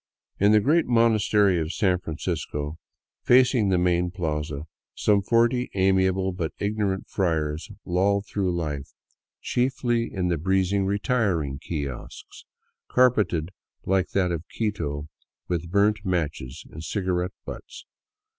In the great monastery of San Francisco, facing the main plaza, some forty amiable but ignorant friars loll through life, chiefly 266 I APPROACHING INCA LAND in the breezy " retiring kiosk," carpeted, like that of Quito, with burnt matches and cigarette butts.